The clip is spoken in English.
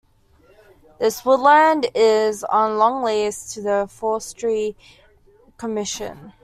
This woodland is on long lease to the Forestry Commission.